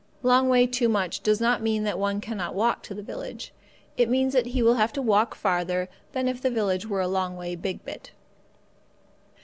Long way too much does not mean that one cannot walk to the village; it means that he will have to walk farther than if the village were a long way big bit.